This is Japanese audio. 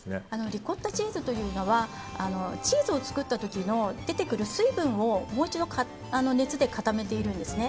リコッタチーズというのはチーズを作った時に出てくる水分をもう一度熱で固めているんですね。